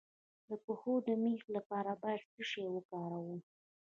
د پښو د میخ لپاره باید څه شی وکاروم؟